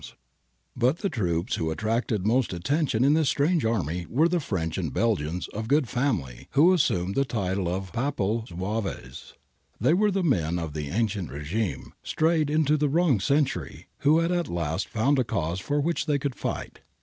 THE CRUSADERS 209 But the troops who attracted most attention in this strange army were the French and Belgians of good family, who assumed the title of ' Papal Zouaves.' They were the men of the ancien Hgime^ strayed into the wrong century, who had at last found a cause for which they could fight.